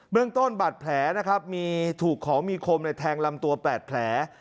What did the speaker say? เรื่องต้นบาดแผลนะครับมีถูกของมีคมในแทงลำตัว๘แผล